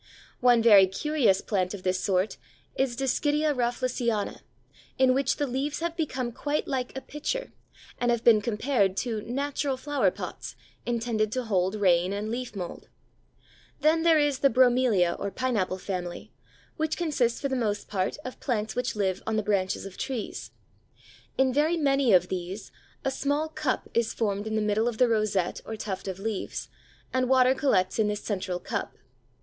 One very curious plant of this sort is Dischidia Rafflesiana, in which the leaves have become quite like a pitcher, and have been compared to "natural flower pots" intended to hold rain and leaf mould. Groom, Ann. Bot., 1903, p. 223. Then there is the Bromelia or Pineapple family, which consists for the most part of plants which live on the branches of trees. In very many of these a small cup is formed in the middle of the rosette or tuft of leaves, and water collects in this central cup.